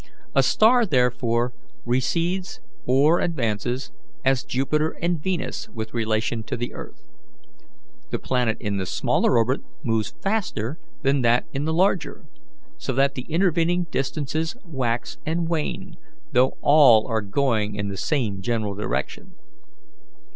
A star, therefore, recedes or advances, as Jupiter and Venus with relation to the earth. The planet in the smaller orbit moves faster than that in the larger, so that the intervening distances wax and wane, though all are going in the same general direction.